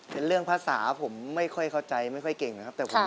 เป็นเรื่องภาษาผมไม่ค่อยเข้าใจไม่ค่อยเก่งนะครับ